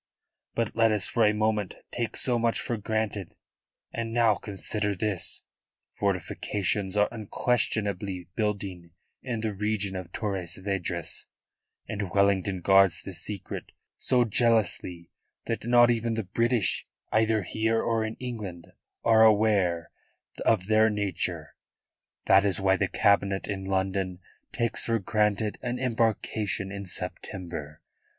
"But let us for a moment take so much for granted, and now consider this: fortifications are unquestionably building in the region of Torres Vedras, and Wellington guards the secret so jealously that not even the British either here or in England are aware of their nature. That is why the Cabinet in London takes for granted an embarkation in September.